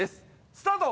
スタート！